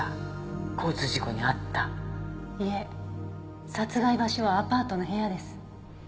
いえ殺害場所はアパートの部屋です。